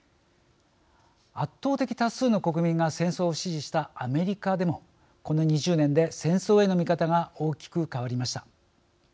圧倒的多数の国民が戦争を支持したアメリカでもこの２０年で、戦争への見方が大きく変わりました。